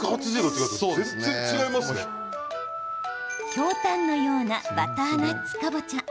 ひょうたんのようなバターナッツかぼちゃ。